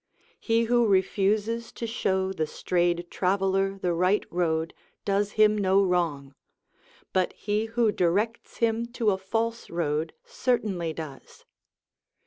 He who refuses to show the strayed traveller the right road does him no wrong, but he who directs him to a false road certainly does.